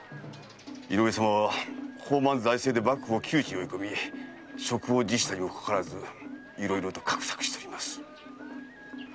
井上様は放漫財政で幕府を窮地に追い込み職を辞したにもかかわらずいろいろと画策しております。